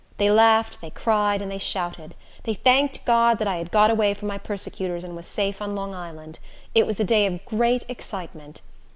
They laughed, they cried, and they shouted. They thanked God that I had got away from my persecutors and was safe on Long Island. It was a day of great excitement.